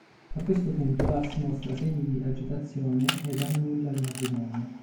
A questo punto Lars mostra segni di agitazione ed annulla il matrimonio.